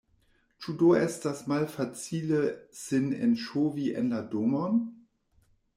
Ĉu do estas malfacile sin enŝovi en la domon?